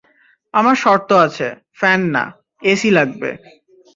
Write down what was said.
আমার শর্ত আছে, ফ্যান না, এসি লাগবে।